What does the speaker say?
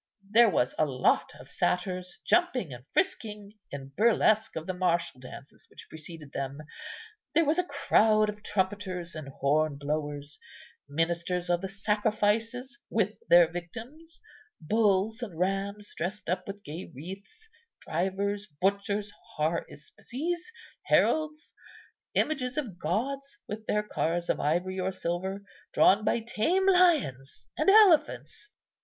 There was a lot of satyrs, jumping and frisking, in burlesque of the martial dances which preceded them. There was a crowd of trumpeters and horn blowers; ministers of the sacrifices with their victims, bulls and rams, dressed up with gay wreaths; drivers, butchers, haruspices, heralds; images of gods with their cars of ivory or silver, drawn by tame lions and elephants.